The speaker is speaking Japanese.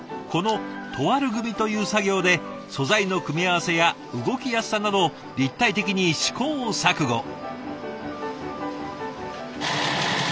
このトワル組みという作業で素材の組み合わせや動きやすさなどを立体的に試行錯誤。